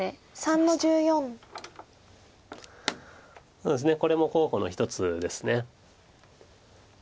そうですねこれも候補の一つです。